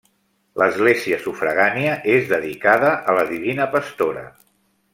L'església sufragània és dedicada a la divina Pastora.